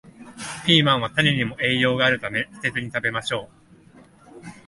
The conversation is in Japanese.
ピーマンは種にも栄養があるため、捨てずに食べましょう